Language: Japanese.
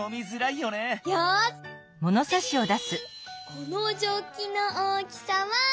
このジョッキの大きさは。